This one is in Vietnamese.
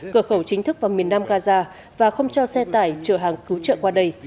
cửa khẩu chính thức vào miền nam gaza và không cho xe tải chở hàng cứu trợ qua đây